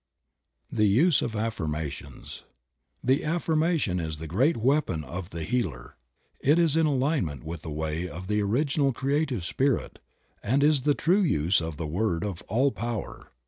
THE USE OF AFFIRMATIONS. ''THE affirmation is the great weapon of the healer; it is in alignment with the way of the original creative spirit and is the true use of the Word of All Power.